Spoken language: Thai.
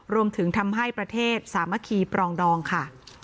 รวมถึงทำให้ประเทศสามัคคีปรองดองค่ะ